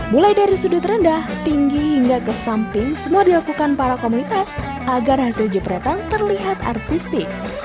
mulai dari sudut rendah tinggi hingga ke samping semua dilakukan para komunitas agar hasil jepretan terlihat artistik